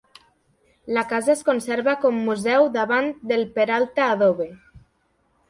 La casa es conserva com museu davant del Peralta Adobe.